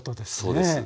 そうです。